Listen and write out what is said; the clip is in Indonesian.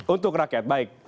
untuk rakyat baik